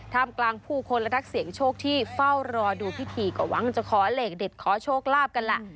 กลางผู้คนและนักเสี่ยงโชคที่เฝ้ารอดูพิธีก็หวังจะขอเลขเด็ดขอโชคลาภกันแหละ